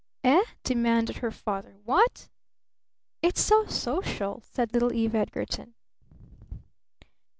"Eh?" demanded her father. "What? Eh?" "It's so social," said little Eve Edgarton.